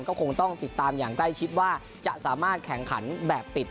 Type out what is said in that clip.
ก็คงต้องติดตามอย่างใกล้ชิดว่าจะสามารถแข่งขันแบบปิด